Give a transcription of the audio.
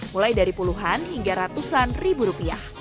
mulai dari puluhan hingga ratusan ribu rupiah